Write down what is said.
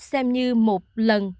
xem như một lần